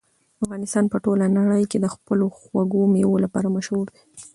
افغانستان په ټوله نړۍ کې د خپلو خوږو مېوو لپاره مشهور دی.